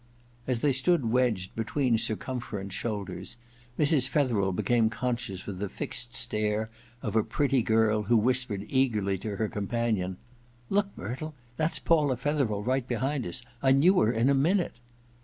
As they stood wedged between circumferent shoulders, Mrs. Fetherel became conscious of the fixed stare of a pretty girl who whispered eagerly to her companion :* Look, Myrtle ! That's Paula Fetherdi right behind us — I knew her in a minute